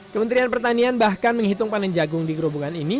kementerian pertanian bahkan menghitung panen jagung di gerobongan ini